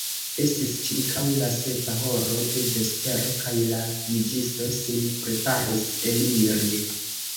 Estis ĉirkaŭ la sepa horo de vespero, kaj la juĝisto sin preparis eliri.